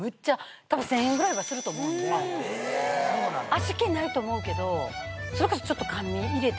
味気ないと思うけどそれこそちょっと。